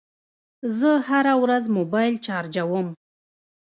زه هره ورځ موبایل چارجوم.